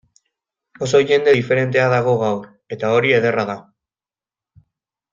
Oso jende diferentea dago gaur, eta hori ederra da.